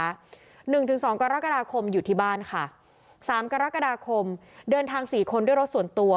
หนึ่งถึงสองกรกฎาคมอยู่ที่บ้านค่ะสามกรกฎาคมเดินทางสี่คนด้วยรถส่วนตัว